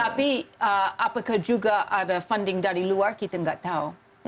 tapi apakah juga ada funding dari luar kita nggak tahu